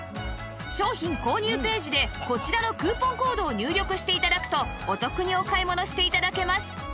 商品購入ページでこちらのクーポンコードを入力して頂くとお得にお買い物して頂けます